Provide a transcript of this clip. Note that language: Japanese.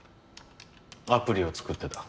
アプリを作ってた。